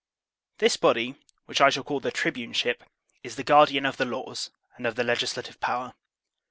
This body, which I shall call the tribuneship, is the guardian of the laws and of the legislative power.